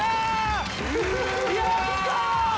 やったー！